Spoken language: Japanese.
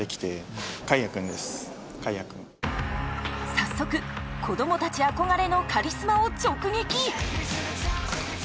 早速子どもたち憧れのカリスマを直撃！